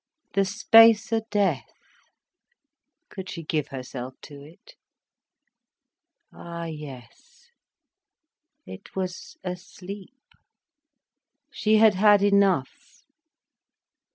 The space of death! Could she give herself to it? Ah yes—it was a sleep. She had had enough.